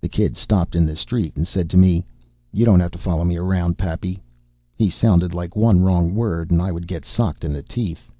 The kid stopped in the street and said to me: "You don't have to follow me around, Pappy." He sounded like one wrong word and I would get socked in the teeth.